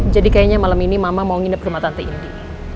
jadi kayaknya malam ini mama mau nginep rumah tante indi